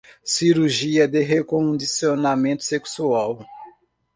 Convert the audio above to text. Cirurgia de recondicionamento sexual